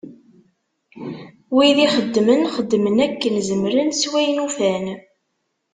Wid ixeddmen, xeddmen akken zemren s wayen ufan.